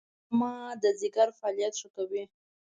خرما د ځیګر فعالیت ښه کوي.